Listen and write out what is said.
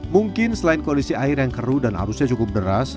mungkin selain kondisi air yang keruh dan arusnya cukup beras